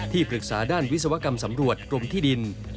ปรึกษาด้านวิศวกรรมสำรวจกรมที่ดิน